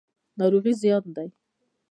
ناروغي زیان دی.